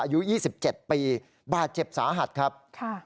อายุ๒๗ปีบาดเจ็บสาหัสครับ